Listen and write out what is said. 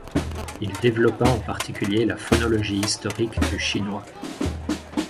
Il développa en particulier la phonologie historique du chinois.